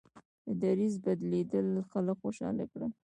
د دریځ بدلېدل خلک خوشحاله کړل.